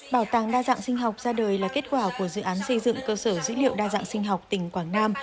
bảo tàng đa dạng sinh học ra đời là kết quả của dự án xây dựng cơ sở dữ liệu đa dạng sinh học tỉnh quảng nam